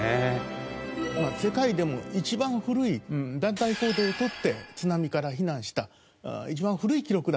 世界でも一番古い団体行動を取って津波から避難した一番古い記録だと。